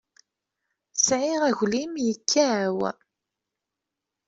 Sɛiɣ aglim yekkaw.